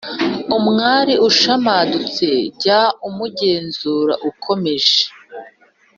Umwari ushamadutse, jya umugenzura ukomeje,